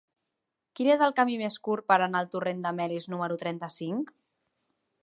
Quin és el camí més curt per anar al torrent de Melis número trenta-cinc?